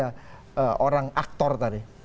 kalimat dari ketiga orang aktor tadi